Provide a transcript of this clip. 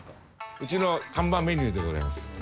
うちの看板メニューでございます。